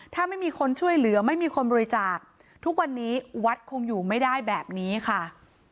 ถ้าไม่มีคนช่วยเหลือไม่มีคนบริจาคทุกวันนี้วัดคงอยู่ไม่ได้แบบนี้ค่ะ